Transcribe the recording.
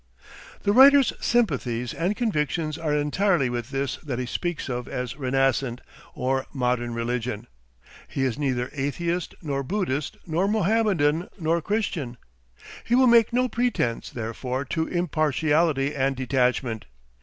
The writer's sympathies and convictions are entirely with this that he speaks of as renascent or modern religion; he is neither atheist nor Buddhist nor Mohammedan nor Christian. He will make no pretence, therefore, to impartiality and detachment.